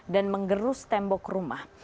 dan menggerus tembok rumah